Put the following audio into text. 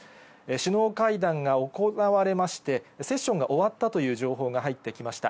首脳会談が行われまして、セッションが終わったという情報が入ってきました。